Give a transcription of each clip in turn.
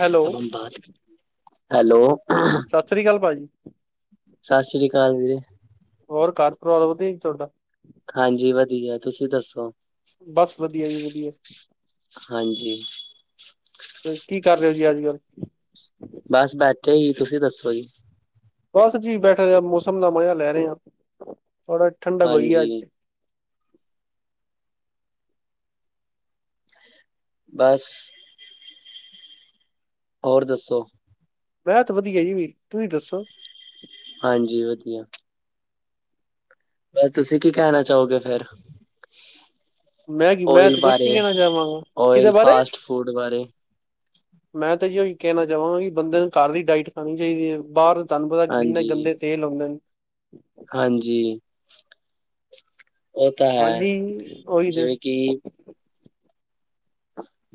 Hello, hello. ਸਸ ਸ੍ਰੀ ਕਾਲ ਭਾਅਜੀ। ਸਸ਼ ਸ਼੍ਰੀ ਕਾਲ ਵੀਰੇ। ਹੋਰ ਘਰ ਪਰਿਵਾਰ ਵਧੀਆ ਜੀ ਥੋੜਾ। ਹਾਂਜੀ ਵਧੀਆ ਤੁਸੀਂ ਦੱਸੋ। ਬਸ ਵਧੀਆ ਜੀ ਵਧੀਆ। ਹਾਂਜੀ ਕੀ ਕਰ ਰੇ ਓ ਅੱਜ-ਕੱਲ? ਬਸ ਬੈਠੇ ਈ ਤੁਸੀਂ ਦੱਸੋ ਜੀ। ਬਸ ਜੀ ਬੈਠਾ ਰ ਮੌਸਮ ਦਾ ਮਜ਼ਾ ਲੈ ਰੇ ਆ ਥੋੜਾ ਠੰਡਕ ਹੋਈ ਆ ਹਾਂਜੀ ਅੱ ਬਸ ਹੋਰ ਦੱਸੋ। ਬੋਤ ਵਧੀਆ ਜੀ ਵੀ ਤੁਸੀਂ ਦੱਸੋ। ਹਾਂਜੀ ਵਧੀਆ। ਬਸ ਤੁਸੀਂ ਕੀ ਕੈਣਾ ਚਾਓਗੇ ਫੇਰ। ਮੈਂ ਕੀ ਮੈਂ ਓਇਲ ਤੇ ਕੁਛ ਨੀ ਬਾਰੇ ਕੈਣਾ ਚਵਾਂਗਾ ਕਿਦੇ ਓਇਲ ਬਾਰੇ? ਫਾਸਟ ਫੂਡ ਬਾਰੇ ਮੈਂ ਤਾਂ ਜੀ ਓਈ ਕੈਣਾ ਚਾਵਾਂਗਾ ਕੀ ਬੰਦੇ ਨੂੰ ਕਾਰ ਲੀ ਡਾਇਟ ਖਾਣੀ ਚਾਇਦੀ ਏ ਬਾਰ ਤੁਆਨੂੰ ਪਤੇ ਕਿੰਨੇ ਹਾਂਜੀ ਗੰਦੇ ਤੇਲ ਹੁੰਦੇ ਨ ਹਾਂਜੀ ਓ ਤਾਂ ਹੈ ਹਾਂਜੀ, ਉਹੀ ਤੇ ਜਿਵੇਂ ਕੀ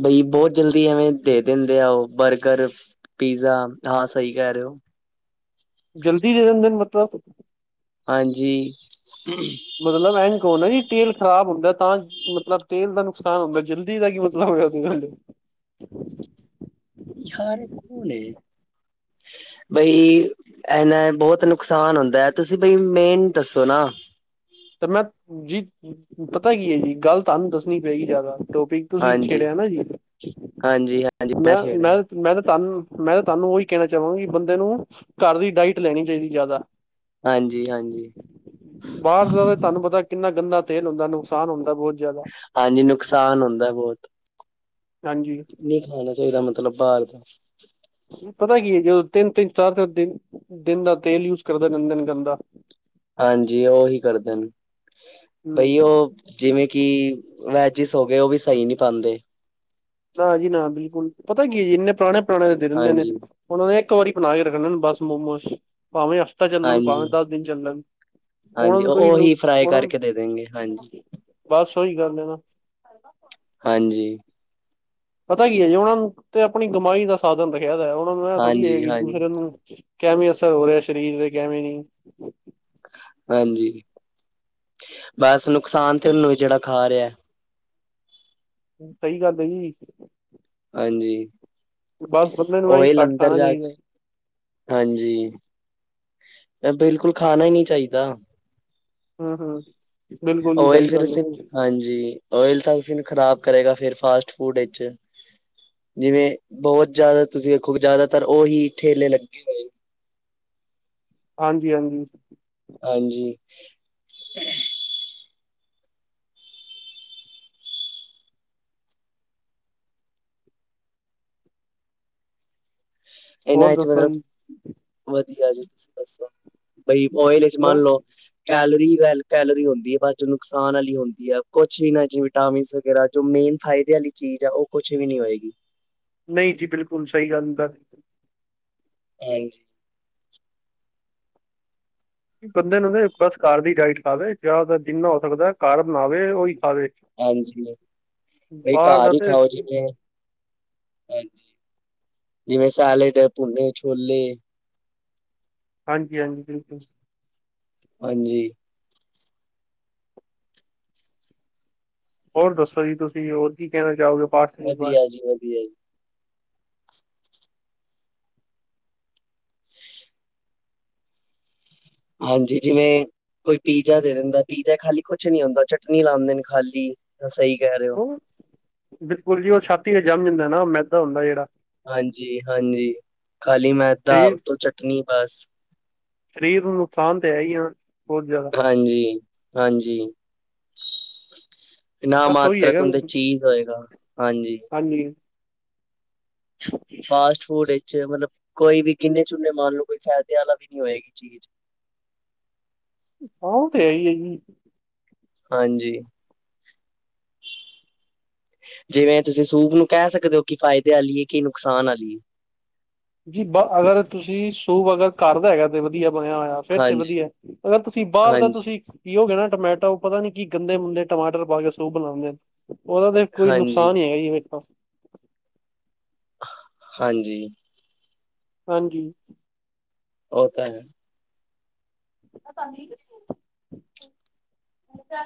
ਬਈ ਬੋ ਜਲਦੀ ਐਵੇਂ ਦੇ ਦੇਂਦੇ ਆ ਓ ਬਰਗਰ। ਪੀਜ਼ਾ ਤਾਂ ਸਈ ਕੇ ਰੇ ਓ। ਜਲਦੀ ਦੇ ਦੇ ਦਿੰਦੇ ਨੇ ਮਤਲਬ? ਹਾਂਜੀ। ਮਤਲਬ ਐ ਨ ਕੌ ਨਾ ਜੀ ਤੇਲ ਖਰਾਬ ਹੁੰਦਾ ਤਾਂ ਮਤਲਬ ਤੇਲ ਦਾ ਨੁਕਸਾਨ ਹੁੰਦੈ ਜਲਦੀ ਦਾ ਕੀ ਮਤਲਬ [unintelligible] ਯਾਰ ਕੋਲ ਏ ਬਈ ਐ ਨੈ ਬੋਤ ਨੁਕਸਾਨ ਹੁੰਦੈ ਤੁਸੀਂ ਬਈ ਮੇਨ ਦੱਸੋ ਨਾ। ਤੇ ਮੈਂ ਜੀ ਪਤਾ ਕੀ ਏ ਜੀ ਗੱਲ ਤਾਨ ਦੱਸਣੀ ਪਏਗੀ ਜਾਦਾ ਟੋਪਿ ਹਾਂਜੀ-ਹਾਂਜੀ ਹ ਮੈਂ-ਮੈਂ-ਮੈਂ ਤਾਂ ਤਾਨੂੰ ਮੈਂ ਤਾਂ ਤਾਨੂੰ ਓਈ ਕੈਣਾ ਚਾਵਾਂਗੀ ਬੰਦੇ ਨੂੰ ਘਾਰ ਦੀ ਡਾਇਟ ਲੈਣੀ ਚਾਇਦੀ ਜਾਦਾ। ਹਾਂਜੀ-ਹਾਂਜੀ। ਤਾਨੂੰ ਪਤਾ ਕਿੰਨਾ ਗੰਦਾ ਤੇਲ ਹੁੰਦਾ ਨੁਕਸਾਨ ਹੁੰਦਾ ਬੋਤ ਜਾਦਾ। ਹਾਂਜੀ ਨੁਕਸਾਨ ਹੁੰਦੈ ਬੋਤ। ਹਾਂਜੀ। ਨਈ ਖਾਣਾ ਚਾਇਦਾ ਮਤਲਬ ਬਾਰ ਦਾ। ਪਤਾ ਕੀ ਏ ਜਦੋਂ ਤਿੰਨ-ਤਿੰਨ ਚਾਰ-ਚਾਰ ਦੀ ਦਿਨ ਦਾ ਤੇਲ ਯੂਜ ਕਰਦੇ ਰੈਂਦੇ ਨੇ ਗੰਦਾ। ਹਾਂਜੀ ਓਹੀ ਕਰਦੇ ਨ ਬਈ ਓ ਹੂੰ ਜਿਵੇਂ ਕੀ ਵੈਜਿਸ ਹੋਗੇ ਓ ਵੀ ਸਈ ਨੀ ਪਾਂਦੇ। ਨਾ ਜੀ ਨਾ ਬਿਲਕੁੱਲ ਪਤਾ ਕੀ ਜੇ ਇੰਨੇ ਪੁਰਾਣੇ-ਪੁਰਾਣੇ ਦੇ ਦੇਂਦੇ ਨੇ। ਹਾਂਜੀ ਉਨਾਂ ਨੇ ਇੱਕ ਵਾਰੀ ਬਣਾ ਕੇ ਰੱਖਣੇ ਨੇ ਬਸ ਮੋਮੋਸ ਪਾਵੇਂ ਹਫ ਤਾ ਚੱਲਣ ਪਾਵੇ ਹਾਂਜੀ ਦਸ ਦਿਨ ਚੱਲਣ ਉਨਾਂ ਹਾਂਜੀ ਨੂ ਕੋਈ ਨੂ ਉਹੀ ਫਰਾਈ ੳਨਾ ਕਰਕੇ ਦੇ ਦੇਣਗੇ ਹਾਂਜੀ ਬਸ ਓਈ ਗੱਲ ਐ ਨਾ। ਹਾਂਜੀ। ਪਤਾ ਕੀ ਐ ਜੀ ਉਨਾਂ ਨੂੰ ਤੇ ਆਪਣੀ ਕਮਾਈ ਦਾ ਸਾਧਨ ਰੱਖਿਆ ਦੈ ਉਨਾ ਨੂੰ ਏ ਥੋੜੀ ਏ ਹਾਂਜੀ ਇੱਕ ਹਾਂਜੀ ਦੂਸਰੇ ਨੂੰ ਕੈਵੇਂ ਅਸਰ ਹੋ ਰਿਆ ਸਰੀਰ ਦੇ ਕੈਵੇਂ ਨੀ। ਹਾਂਜੀ, ਬਸ ਨੁਕਸਾਨ ਤੇ ਉਨੂੰ ਜੇੜਾ ਖਾ ਰੇਐ। ਸਹੀ ਗੱਲ ਏ ਜੀ। ਹਾਂਜੀ, ਬਸ ਬੰਦੇ ਨੂੰ ਇਹੀ ਉਈ ਘੱਟ ਲੰਧਰ ਖਾਣਾ ਜਾ ਚਾਹੀਦਾ ਕੇ। ਹਾਂਜੀ, ਏ ਬਿਲਕੁਲ ਖਾਣਾ ਈ ਨ ਚਾਈਦਾ। ਹ ਹ। ਓਇਲ ਫਿਰ ਸਿਨ ਹਾਂਜੀ ਓਇਲ ਤਾਂ ਸਿਨ ਖ਼ਰਾਬ ਕਰੇਗਾ ਫ ਫਾਸਟ ਫੂਡ ਏਚ। ਜਿਵੇਂ ਬਹੁਤ ਜਿਆਦਾ ਤੁਸੀਂ ਦੇਖੋ ਜ਼ਿਆਦਾਤਰ ਉਹੀ ਠੇਲੇ ਲੱਗੇ ਹੋਏ। ਹਾਂਜੀ-ਹਾਂਜੀ। ਹਾਂਜੀ। ਏਨਾਂ ਹੋਰ ਏਚ ਦੱਸੋ ਮਤਲਬ ਜੀ ਵਧੀਆ ਜੀ ਤੁਸੀਂ ਦੱਸੋ। ਬਾਈ ਓਏਲ ਏਚ ਮਨ ਮੈਂ ਲੋ। ਕੈਲਰੀ ਵੇਲ ਕੈਲਰੀ ਹੋਂਦੀ ਏ ਬਾਦ ਚੋ ਨੁਕਸਾਨ ਆਲੀ ਹੁੰਦੀ ਏ ਕੋਛ ਇ ਨਾ ਚ ਵਿਟਾਮਿਨਸ ਵਗੈਰਾ। ਜੋ ਮੇਨ ਫਾਇਦੇ ਵਾਲੀ ਚੀਜ਼ ਏ ਉਹ ਕੁਛ ਵੀ ਨੀ ਹੋਏਗੀ। ਨਈ ਜੀ ਬਿਲਕੁਲ ਸਹੀ ਗੱਲ [inaudible] ਹਾਂਜੀ। ਬੰਦੇ ਨੂੰ ਨਾ ਬਸ ਘਰ ਦੀ ਡਾਇਟ ਖਾਵੇ ਜਾਦਾਤਰ ਜਿੰਨਾ ਹੋ ਸਕਦਾ ਘਰ ਬਣਾਵੇ ਓਈ ਖਾਵੇ। ਹਾਂਜੀ। ਬਈ ਬਾਹਰ ਦਾ ਘਰ ਈ ਤੇ ਖਾਓ ਜਿਵੇਂ ਹਾਂਜੀ। ਜਿਵੇਂ ਸਾਲਿਡ ਐ ਭੁੰਨੇ ਛੋਲੇ। ਹਾਂਜੀ ਹਾਂਜੀ ਬਿਲਕੁਲ। ਹਾਂਜੀ। ਹੋਰ ਦੱਸੋ ਜੀ ਤੁਸੀ। ਹੋਰ ਕੀ ਕਹਿਣਾ ਚਾਹੋਗੇ? ਫਾਸਟ ਫੂਡ ਵਧੀਆ ਬਾਰੇ ਜੀ। ਵਧੀਆ ਜੀ। ਹਾਂਜੀ ਜਿਵੇਂ ਕੋਈ ਪੀਜ਼ਾ ਦੇ ਦੇਂਦਾ। ਪੀਜ਼ਾ ਖਾਲੀ ਕੁਛ ਨੀ ਹੁੰਦਾ ਚਟਨੀ ਲਾਂਦੇ ਨੇ ਖਾਲੀ। ਸਹੀ ਕਹਿ ਰਹੇ ਹੋ ਬਿਲਕੁਲ ਜੀ ਓ ਛਾਤੀ ਤੇ ਜੰਮ ਜਾਂਦਾ ਨਾ। ਔ ਮੈਦਾ ਹੁੰਦਾ ਜੇੜਾ। ਹਾਂਜੀ ਹਾਂਜੀ। ਖਾਲੀ ਮੈਦਾ ਸਰੀਰ ਉਤੋਂ ਚਟਨੀ ਬਸ। ਸਰੀਰ ਨੂੰ ਨੁਕਸਾਨ ਤਾਂ ਹੈ ਈ ਆ ਬੋਤ ਜਾਦਾ। ਹਾਂਜੀ ਹਾਂਜੀ। ਨਾ ਬਸ ਉਹੀ ਮਾਤਰ ਕ ਹੈਗਾ ਉਂਦੇ ਚੀਜ਼ ਹੋਏਗਾ। ਹਾਂਜੀ। ਹਾਂਜੀ। ਫਾਸਟ ਫੂਡ ਇਚ ਮਲਬ ਕੋਈ ਵੀ ਗਿਨੇ ਚੁਨੇ ਮੰਨ ਲਓ ਕੋਈ ਫਾਇਦੇ ਵਾਲਾ ਵੀ ਨੀ ਹੋਏਗੀ ਚੀਜ਼। ਹਾਂ ਓ ਤੇ ਹੈਈ ਏਜੀ। ਹਾਂਜੀ। ਜਿਵੇਂ ਤੁਸੀ ਸੂਪ ਨੂੰ ਕਹਿ ਸਕਦੇ ਓ ਕਿ ਫਾਇਦੇ ਵਾਲੀ ਏ ਕਿ ਨੁਕਸਾਨ ਆਲੀ ਏ। ਜੀ ਬ ਅਗਰ ਤੁਸੀ ਸੂਪ ਅਗਰ ਘਰਦਾ ਹੈਗਾ ਤੇ ਵਧੀਆ ਬਣਿਆ ਹੋਇਆ। ਫੇਰ ਤੇ ਹਾਂਜੀ ਵਧੀਐ। ਅਗਰ ਤੁਸੀ ਬਾਰ ਦਾ ਹਾਂਜੀ ਤੁਸੀ ਪੀਓਗੇ ਨਾ ਟਮੈਟੋ ਪਤਾ ਨੀ ਕੀ ਗੰਦੇ ਮੁੰਦੇ ਟਮਾਟਰ ਪਾ ਕੇ ਸੂਪ ਬਣਾਦੇਂ ਨੇ। ਔਦਾ ਤੇ ਕੋਈ ਹਾਂਜੀ ਨੁਕਸਾਨ ਈ ਹੈਗਾ ਜੀ ਫੇ ਤਾਂ। ਹਾਂਜੀ। ਹਾਂਜੀ। ਓਤਾ ਹੈ।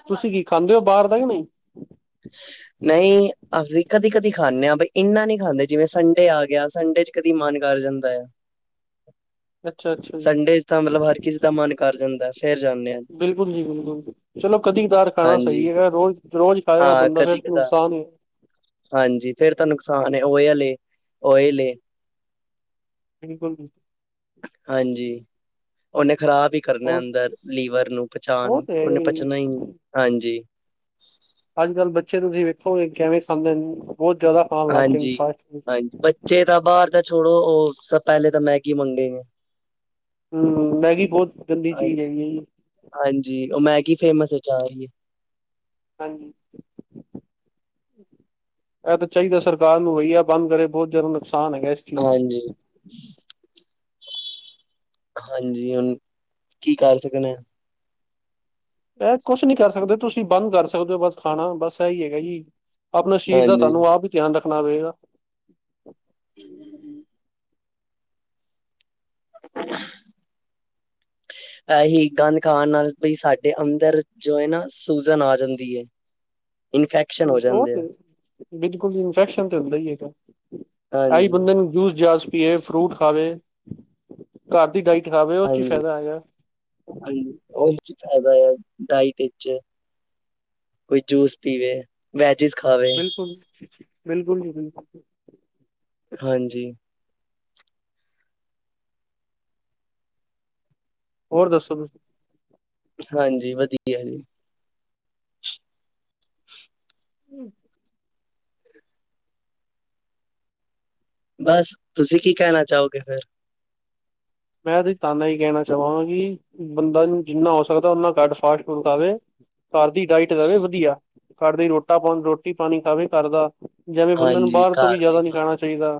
ਤੁਸੀ ਕੀ ਖਾਂਦੇ ਓ ਬਾਰ ਦਾ ਯਾ ਨਈ? ਨਈ, ਅਸੀ ਕਦੀ ਕਦੀ ਖਾਂਦੇ ਆਂ। ਬਈ ਇੰਨਾ ਨਈ ਖਾਂਦੇ ਜਿਵੇਂ ਸੰਡੇ ਆ ਗਿਆ ਸੰਡੇ ਚ ਕਦੀ ਮਨ ਕਰ ਜਾਂਦਾ ਐ। ਅੱਛਾ ਅੱਛਾ ਜੀ ਸੰਡੇ ਚ ਤਾਂ ਮਤਲਬ ਹਰ ਕਿਸੀ ਦਾ ਮਨ ਕਰ ਜਾਂਦਾ ਐ ਫੇਰ ਜਾਂਨੇ ਆਂ। ਬਿਲਕੁਲ ਜੀ ਬਿਲਕੁਲ ਚਲੋ ਕਦੀ -ਕਦਾਰ ਖਾਣਾ ਸਹੀ ਹੈਗਾ, ਰੋਜ਼-ਰੋਜ਼ ਖਾਏਗਾ ਹਾਂ ਬੰਦਾ, ਕਦੀ ਫੇਰ ਕਦਾ ਨੁਕਸਾਨ ਏ ਹਾਂਜੀ, ਫੇਰ ਤਾਂ ਨੁਕਸਾਨ ਏ, ਔਯਲ ਏ, ਓਏਲ ਏ ਬਿਲਕੁਲ ਜੀ। ਹਾਂਜੀ। ਉਨੇ ਖ਼ਰਾਬ ਈ ਕਰਨਾ ਹੋਰ ਅੰਦਰ ਲੀਵਰ ਨੂੰ, ਉਹ ਪਚਾਣ ਤੇ ਹੈ ਓਨੇ ਹੀ ਏ। ਪਚਣਾ ਈ ਨਈ ਹਾਂਜੀ ਅੱਜ -ਕੱਲ੍ਹ ਬੱਚੇ ਨੂੰ ਤੁਸੀ ਵੇਖੋ, ਕੈਵੇਂ ਖਾਂਦੇ ਨ, ਬੋਤ ਜਿ ਜਿਆਦਾ ਖਾਣ ਲੱਗ ਗਏ ਫਾਸਟ -ਫੁ ਚੇ ਤਾਂ ਬਾਰ ਦਾ ਛੋੜੋ ਓਹ, ਸ ਪਹਿਲੇ ਤਾਂ ਮੈਗੀ ਮੰਗਣੀ ਏ ਹੂੰ, ਮੈਗੀ ਬੋਤ ਗੰਦੀ ਚੀਜ਼, ਹਾਂਜੀ, ਹੈਗੀ ਏ ਜੀ ਹਾਂਜੀ, ਓ ਮੈਗੀ ਫੇਮਸ ਚ ਆਏਗੀ ਹਾਂਜੀ। ਐ ਤਾ ਚਾਹੀਦਾ ਸਰਕਾਰ ਨੂੰ, ਵਈ ਐ ਬੰਦ ਕਰੇ ਬੋਹਤ ਜਿਆਦਾ ਨੁਕਸਾਨ ਹੈਗਾ ਏਸ ਹਾਂਜੀ। ਹਾਂਜੀ, ਹੁਣ ਕੀ ਕਰ ਸਕਣੇ ਆ ਐ ਕੁਛ ਨੀ ਕਰ ਸਕਦੇ, ਤੁਸੀ ਬੰਦ ਕਰ ਸਕਦੇ ਓ ਬਸ ਖਾਣਾ, ਬਸ ਐ ਈ ਹੈਗਾ ਜੀ ਅਪਣੇ ਸਰੀਰ ਦਾ ਹਾਂਜੀ ਤਾਨੂੰ, ਆਪ ਈ ਧਿਆਨ ਰੱਖਣਾ, ਪੇਏਗਾ [unintelligible] [inaudible] ਐਹੀ ਗੰਦ ਖਾਣ ਨਾਲ, ਬਈ ਸਾਡੇ ਅੰਦਰ ਜੋ ਐ ਨਾ ਸੂਜਨ ਆ ਜਾਂਦੀ ਆ ਇਨਫੈਕ ਓਕੇ, ਬਿਲਕੁਲ ਇਨਫੈਕਸ਼ਨ ਤੇ ਹੁੰਦਾ ਈ ਹੈਗਾ ਆਈ ਹਾਂਜੀ ਬੰਦੇ, ਨੂੰ ਜੂਸ -ਜਾਸ ਪੀਏ ਫਰੂਟ ਖਾਵੇ, ਘਰ ਦੀ ਡਾਇਟ ਖਾਵੇ ਉਹ ਚ ਹੀ, ਹਾਂਜੀ ਫ਼ਾਇਦਾ ਹੈਗਾ ਹਾਂਜੀ ਉਹਦੇ ਚ ਫਾਇਦਾ ਆ ਡਾਇਟ ਵਿੱਚ ਕੋਈ ਜੂਸ ਪੀਵੇ, ਵੈਜਿਜ ਖਾਵੇ ਹੁਣ, ਬਿਲਕੁਲ ਜੀ, ਬਿਲਕੁਲ ਹਾਂਜੀ। ਹੋਰ ਦੱਸੋ ਤੁਸੀਂ? ਹਾਂਜੀ, ਵਧੀਆ ਜੀ [unintelligible] ਹਮ ਬਸ, ਤੁਸੀਂ ਕੀ ਕਹਿਣਾ, ਚਾਹੋਗੇ ਫੇਰ? ਮੈਂ ਤੇ ਤਾ ਨਾ ਹੀ ਕਹਿਣਾ ਚਾਹਾਂ ਕਿ, ਬੰਦਾ ਜਿੰਨਾ ਹੋ ਸਕਦਾ, ਓਨਾ ਘੱਟ ਫਾਸਟ ਫੂਡ ਖਾਵੇ। ਘਰ ਦੀ ਡਾਇਟ ਲਵੇ ਵਧੀਆ, ਘਰ ਦੀ ਰੋਟਾ ਪਾ ਰੋਟੀ -ਪਾਣੀ ਖਾਵੇ ਘਰ ਦਾ ਜਿਵੇਂ ਬੰਦੇ ਨੂੰ, ਹਾਂਜੀ ਬਾਹਰ ਤੋਂ ਵੀ ਘਰ ਦਾ ਹੀ ਜ਼ਿਆਦਾ ਨਈ ਖਾਓ ਖਾਣਾ ਚਾਹੀਦਾ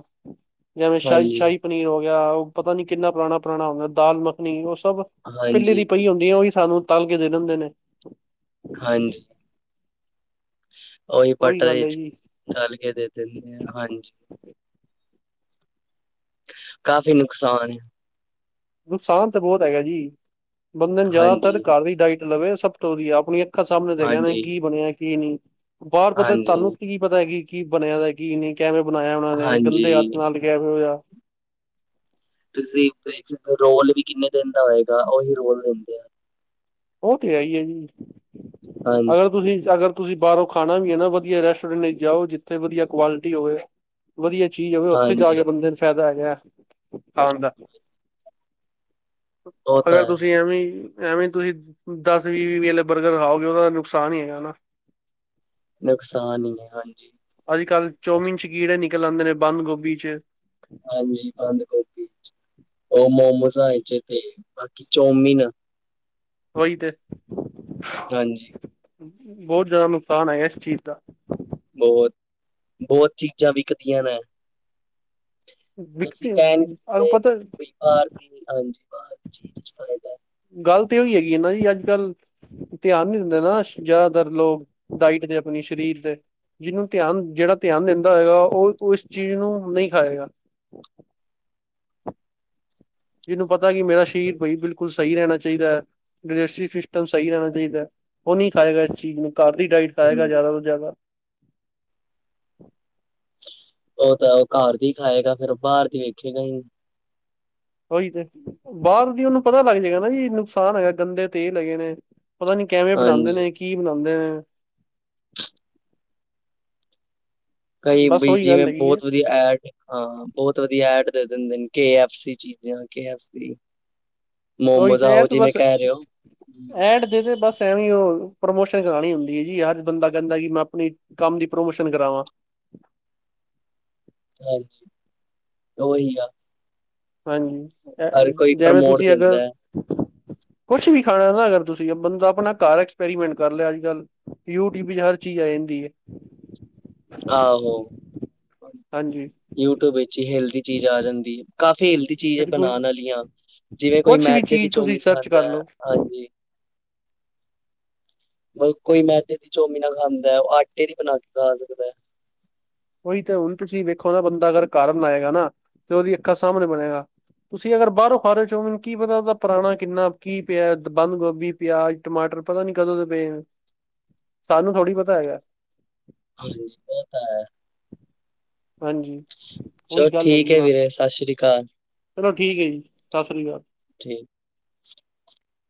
ਜਿਵੇਂ ਸ਼ਾਹੀ ਹਾਂਜੀ -ਸ਼ਾਹੀ ਪਨੀਰ ਹੋ ਗਿਆ ਉਹ ਪਤਾ ਨੀ ਕਿੰਨਾ ਪੁਰਾਣਾ -ਪੁਰਾਣਾ ਹੁੰਦਾ ਦਾਲ ਮੱਖਣੀ, ਉਹ ਸਭ ਪਿੱਲੇ ਦੀ ਹਾਂਜੀ ਪਈ ਹੁੰਦੀ ਹੈ, ਉਹੀ ਸਾਨੂੰ ਤਲ ਕੇ ਦੇ ਦਿੰਦੇ ਨੇ ਹਾਂਜੀ। ਓਹੀ ਉਹੀ ਗੱਲ ਬਟਰੇ ਹੈ ਚ ਜੀ ਤਲ ਕੇ, ਦੇ ਦਿੰਦੇ ਆ ਹਾਂਜੀ ਕਾਫੀ ਨੁਕਸਾਨ ਨੁਕਸਾਨ ਤਾਂ ਬਹੁਤ ਹੈਗਾ ਜੀ, ਬੰਦੇ ਨੂੰ ਜ਼ਿਆਦਾਤਰ ਹਾਂਜੀ ਘਰ ਦੀ ਡਾਇਟ ਲਵੇ, ਸਭ ਤੋਂ ਵਧੀਆ ਆਪਣੀਆਂ ਅੱਖਾਂ ਸਾਹਮਣੇ ਦੇਖਿਆ, ਹਾਂਜੀ ਕੀ ਬਣਿਆ ਕੀ ਨਹੀਂ, ਬਾਹਰ ਪਤਾ ਤੁਹਾਨੂੰ ਹਾਂਜੀ ਕੀ ਪਤਾ ਹੈ, ਕਿ- ਕੀ ਬਣਿਆ ਕੀ ਨੇ, ਕਿਵੇਂ ਬਣਾਇਆ ਉਹਨਾਂ ਨੇ, ਗੰਦੇ ਹਾਂਜੀ ਹੱਥ ਨਾਲ ਕਿਵੇ ਹੋਇਆ ਤੁਸੀਂ, ਰੋਲ ਵੀ ਕਿੰਨੇ ਦਿਨ ਦਾ ਹੋਏਗਾ, ਉਹੀ ਰੋਲ ਦਿੰਦੇ ਆ ਉਹ ਤੇ ਹੈ ਹੀ ਹੈ ਜੀ ਅਗਰ ਹਾਂਜੀ ਤੁਸੀਂ ਅਗਰ ਤੁਸੀਂ ਬਾਹਰੋਂ ਖਾਣਾ ਵੀ ਹੈ ਨਾ, ਵਧੀਆ ਰੈਸਟੋਰੈਂਟ ਚ ਜਾਓ ਜਿੱਥੇ, ਵਧੀਆ ਕੁਆਲਿਟੀ ਹੋਵੇ ਵਧੀਆ ਚੀਜ਼ ਹੈਵੇ ਉੱਥੇ ਜਾ ਕੇ ਹਾਂਜੀ ਬੰਦੇ ਨੂੰ ਫਾਇਦਾ ਹੈਗਾ। ਆ ਦਾ। ਉਹ ਤਾਂ ਅਗਰ ਹੈ ਤੁਸੀਂ ਐਵੇਂ- ਐਵੇਂ ਤੁਸੀਂ ਦਸ- ਵੀਹ -ਵੀਹ ਵਲੇ ਬਰਗਰ ਖਾਓਗੇ ਉਹਦਾ ਦਾ ਨੁਕਸਾਨ ਹੀ ਹੈਗਾ ਨਾ। ਨੁਕਸਾਨ ਹੀ ਹੈ, ਹਾਂਜੀ। ਅੱਜ ਕੱਲ੍ਹ ਚੌਮੀਨ ਚ' ਕੀੜੇ ਨਿਕਲ ਆਉਂਦੇ ਨੇ ਬੰਦ ਗੋਭੀ ਚ'। ਹਾਂਜੀ ਬੰਦ ਗੋਭੀ, ਉਹ ਮੋਮੋਸਾਂ ਤੇ ਬਾਕੀ ਚੋਮੀਿਨ ਉਹੀ ਤੇ। ਹਾਂਜੀ। ਬਹੁਤ ਜ਼ਿਆਦਾ ਨੁਕਸਾਨ ਹੈਆ ਇਸ ਚੀਜ਼ ਦਾ। ਬਹੁਤ- ਬਹੁਤ ਚੀਜ਼ਾਂ ਵਿਕਦੀਆਂ ਨੇ। ਵਸੀ ਵਿਕਤੇ ਕਹਿ ਨੀ ਸਕਦੇ ਪਤਾ ਬਈ ਬਾਰ ਦੀ। ਹਾਂਜੀ। ਬਹੁਤ ਚੀਜ਼ ਚ' ਫਾਇਦਾ। ਗੱਲ ਤੇ ਉਹੀ ਹੈਗੀ ਹੈ ਨਾ ਜੀ ਅੱਜ ਕੱਲ੍ਹ ਧਿਆਨ ਨੀ ਦਿੰਦੇ ਨਾ ਜ਼ਿਆਦਾਤਰ ਲੋਕ, ਡਾਇਟ ਦੇ ਆਪਣੀ ਸਰੀਰ ਦੇ। ਜਿਹਨੂੰ ਧਿਆਨ, ਜਿਹੜਾ ਧਿਆਨ ਦਿੰਦਾ ਹੈਗਾ ਉਹ ਇਸ ਚੀਜ਼ ਨੂੰ ਨਹੀਂ ਖਾਏਗਾ। ਜਿਹਨੂੰ ਪਤਾ ਕਿ ਮੇਰਾ ਸਰੀਰ ਬਾਈ ਬਿਲਕੁਲ ਸਹੀ ਰਹਿਣਾ ਚਾਹੀਦਾ ਹੈ, ਡਟ ਸਿਸਟਮ ਸਹੀ ਰਹਿਣਾ ਚਾਹੀਦਾ, ਉਹ ਨਹੀਂ ਖਾਏਗਾ ਇਸ ਚੀਜ਼ ਨੂੰ ਘਰ ਦੀ ਡਾਇਟ ਖਾਏਗਾ ਹੂੰ ਜ਼ਿਆਦਾ ਤੋਂ ਜ਼ਿਆਦਾ। ਉਹ ਤਾਂ ਉਹ ਘਰ ਦੀ ਖਾਏਗਾ ਫੇਰ ਬਾਹਰ ਦੀ ਵੇਖੇਗਾ ਹੀ। ਉਹੀ ਤੇ, ਬਾਹਰ ਦੀ ਉਹਨੂੰ ਪਤਾ ਲੱਗ ਜਾਏਗਾ ਨਾ ਜੀ ਨੁਕਸਾਨ ਹੈਗਾ ਗੰਦੇ ਤੇਲ ਹੈਗੇ ਨੇ। ਪਤਾ ਨੀ ਕਿਵੇਂ ਬਣਾਉਂਦੇ ਹਾਂਜੀ ਨੇ, ਕੀ ਬਣਾਉਂਦੇ ਨੇ? ਕਈ ਬ ਬਸ ਉਹੀ ਜਿਵੇਂ ਗੱਲ ਹੈਗੀ ਹੈ ਬਹੁਤ ਵਧੀਆ ਐਡ ਹਾਂ। ਬਹੁਤ ਵਧੀਆ ਐਡ ਦੇ ਦਿੰਦੇ ਨੇ ਕੇ ਏਫ ਸੀ ਦੀਆਂ ਚੀਜਾਂ, ਕੇ ਏਫ ਸੀ। ਮੋਮੋ ਉਹੀ ਦਾ ਤੇ ਆ ਇਹ ਉਹ ਤੇ ਜਿਵੇਂ ਬਸ ਕਹਿ ਰਹੇ ਹੋ। ਐਡ ਬਸ ਐਵੇਂ ਉਹ ਪ੍ਰਮੋਸ਼ਨ ਕਰਾਉਣੀ ਹੁੰਦੀ ਹੈ ਜੀ ਹਰ ਬੰਦਾ ਕਹਿੰਦਾ ਕਿ ਮੈਂ ਆਪਣੀ ਕੰਮ ਦੀ ਪ੍ਰਮੋਸ਼ਨ ਕਰਾਵਾਂ। ਹਾਂਜੀ। ਉਹੀ ਆ। ਹਾਂਜੀ। ਅ ਹਰ ਕੋਈ ਜਿਵੇਂ ਪ੍ਰਮੋਟ ਤੁਸੀਂ ਅਗਰ ਦਿੰਦਾ ਹੈ। ਕੁਛ ਵੀ ਖਾਣਾ ਨਾ ਅਗਰ ਤੁਸੀਂ ਬੰਦਾ ਆਪਣਾ ਘਰ ਐਕਸਪੈਰੀਮੈਂਟ ਕਰ ਲਿਆ ਅੱਜ ਕੱਲ। ਯੂਟਿਊਬ ਚ' ਹਰ ਚੀਜ਼ ਆ ਜਾਂਦੀ ਏ। ਆਹੋ! ਹਾਂਜੀ ਯੂਟਿਊਬ ਵਿੱਚ ਹੀ ਹੈਲਦੀ ਚੀਜ਼ ਆ ਜਾਂਦੀ। ਕਾਫੀ ਦੀ ਚੀਜ਼ ਬਿਲਕੁਲ ਬਣਾਉਣ ਵਾਲੀ ਆ, ਜਿਵੇਂ ਕੋਈ ਕੁਛ ਵੀ ਮੈਦੇ ਦੀ ਚੀਜ਼ ਤੁਸੀਂ ਚੌਮੀ ਸਰਚ ਕਰ ਖਾਂਦਾ। ਲਓ ਹਾਂਜੀ। ਮਲ ਕੋਈ ਮੈਦੇ ਦੀ ਚੋਮੀਨਾ ਖਾਂਦਾ, ਉਹ ਆਟੇ ਦੀ ਬਣਾ ਕੇ ਖਾ ਸਕਦਾ ਹੈ। ਉਹੀ ਤਾਂ ਹੁਣ ਤੁਸੀਂ ਵੇਖੋ ਨਾ ਬੰਦਾ ਅਗਰ ਘਰ ਬਣਾਏਗਾ ਨਾ ਤੇ ਉਹਦੀ ਅੱਖਾਂ ਸਾਹਮਣੇ ਬਣੇਗਾ। ਤੁਸੀਂ ਅਗਰ ਬਾਹਰੋਂ ਖਾ ਰਹੇ ਚੋਮੈਨੂੰ ਕੀ ਪਤਾ ਉਹਦਾ ਪੁਰਾਣਾ ਕਿੰਨਾ ਕੀ ਪਿਆ ਬੰਦ ਗੋਭੀ। ਪਿਆਜ, ਟਮਾਟਰ ਪਤਾ ਨੀ ਕਦੋਂ ਦੇ ਪਏ। ਸਾਨੂੰ ਥੋੜ੍ਹੀ ਪਤਾ ਹੈਗਾ। ਹਾਂਜੀ, ਉਹ ਤਾਂ ਹੈ। ਹਾਂਜੀ। ਚਲੋ ਉਹੀ ਗੱਲ ਹੈਗੀ ਠੀਕ ਆ ਹੈ ਮਾਸੀ, ਵੀਰੇ ਸਤਿ ਸ੍ਰੀ ਅਕਾਲ ਚਲੋ ਠੀਕ ਹੈ ਜੀ ਸਤਿ ਸ੍ਰੀ ਅਕਾਲ। ਠੀਕ।